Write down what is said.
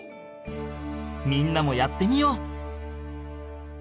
みんなもやってみよう！